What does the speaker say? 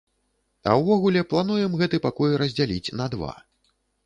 А ўвогуле, плануем гэты пакой раздзяліць на два.